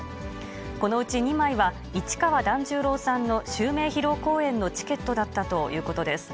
このうち２枚は、市川團十郎さんの襲名披露公演のチケットだったということです。